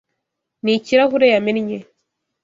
Ni ikirahure yamennye.